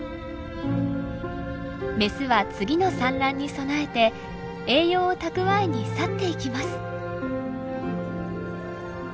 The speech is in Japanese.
メスは次の産卵に備えて栄養を蓄えに去っていきます。